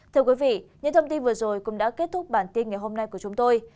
thưa quý vị những thông tin vừa rồi cũng đã kết thúc bản tin ngày hôm nay của chúng tôi